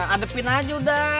adepin aja udah